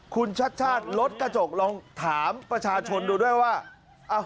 คุณชัดชาติรถกระจกลองถามประชาชนดูด้วยว่า